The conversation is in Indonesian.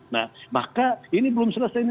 nah maka ini belum selesai ini